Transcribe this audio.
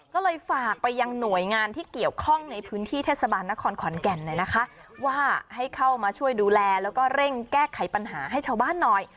ก็เลยฝากไปยังหน่วยงานที่เกี่ยวข้องในพื้นที่เทศบาลนครขอนแก่นหน่อยนะคะว่าให้เข้ามาช่วยดูแลแล้วก็เร่งแก้ไขปัญหาให้ชาวบ้านหน่อย